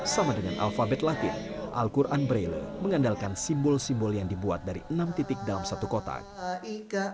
sama dengan alfabet latin al quran braille mengandalkan simbol simbol yang dibuat dari enam titik dalam satu kotak